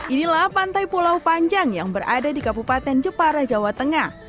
inilah pantai pulau panjang yang berada di kabupaten jepara jawa tengah